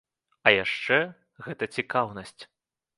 А яшчэ, гэта цікаўнасць.